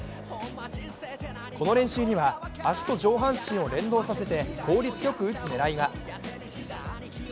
この練習には足と上半身を連動させて効率よく打つ狙いが。